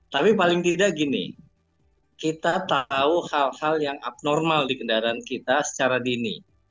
tapi paling tidak gini kita tahu hal hal yang abnormal di kendaraan kita secara dini